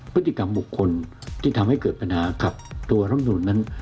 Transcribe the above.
พฤติกรรมบุคคลที่ทำให้เกิดปัญหากับตัวรำนูนนั้น